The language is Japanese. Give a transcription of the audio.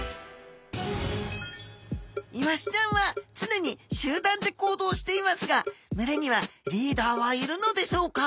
イワシちゃんは常に集団で行動していますが群れにはリーダーはいるのでしょうか？